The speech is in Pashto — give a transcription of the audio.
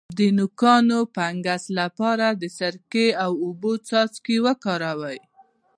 د نوکانو د فنګس لپاره د سرکې او اوبو څاڅکي وکاروئ